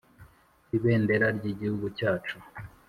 Ibendera ry’ igihugu cyacu